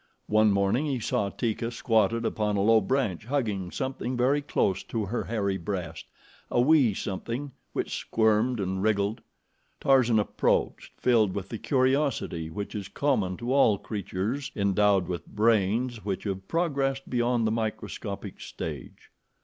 One morning he saw Teeka squatted upon a low branch hugging something very close to her hairy breast a wee something which squirmed and wriggled. Tarzan approached filled with the curiosity which is common to all creatures endowed with brains which have progressed beyond the microscopic stage.